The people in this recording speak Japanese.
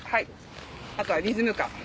あとはリズム感。